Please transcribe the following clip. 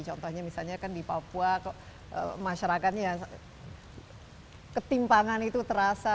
contohnya misalnya kan di papua kok masyarakatnya ketimpangan itu terasa